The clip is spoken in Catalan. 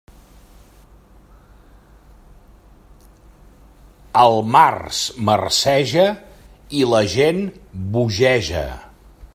El març marceja i la gent bogeja.